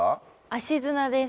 足砂です。